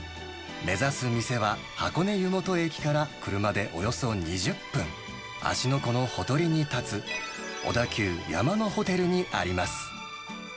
目指す店は箱根湯本駅から車でおよそ２０分、芦ノ湖のほとりに建つ、小田急山のホテルにあります。